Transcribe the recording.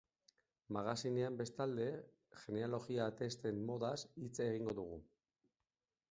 Magazinean, bestalde, genealogia testen modaz hitz egingo dugu.